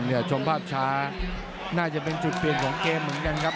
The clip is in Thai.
ชมภาพช้าน่าจะเป็นจุดเปลี่ยนของเกมเหมือนกันครับ